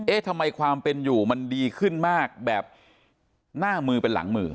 ทำไมความเป็นอยู่มันดีขึ้นมากแบบหน้ามือเป็นหลังมือ